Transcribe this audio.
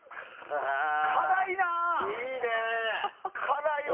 辛いな。